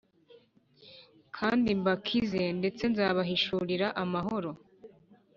kandi mbakize ndetse nzabahishurira amahoro